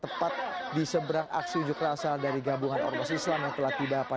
setidaknya ada tiga kelompok yang berpengalaman